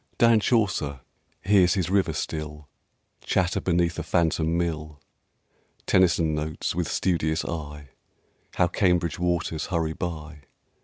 Dan Chaucer hears his river still Chatter beneath a phantom mill. Tennyson notes, with studious eye, How Cambridge waters hurry by...